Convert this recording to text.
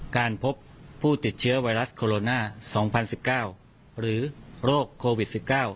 การพบผู้ติดเชื้อไวรัสโคโรนา๒๐๑๙หรือโรคโควิด๑๙